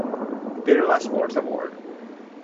Birla sports award.